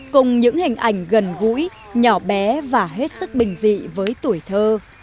cùng những hình ảnh gần gũi nhỏ bé và hết sức bình dị với tuổi thơ